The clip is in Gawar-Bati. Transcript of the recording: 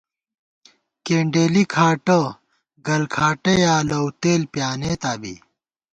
کېنڈېلی، کھاٹہ ، گلکھاٹہ یا لَؤتېل پیانېتا بی